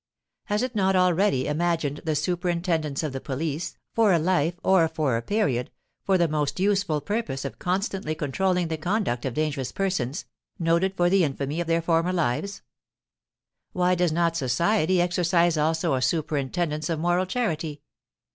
Has it not already imagined the superintendence of the police, for life or for a period, for the most useful purpose of constantly controlling the conduct of dangerous persons, noted for the infamy of their former lives? Why does not society exercise also a superintendence of moral charity?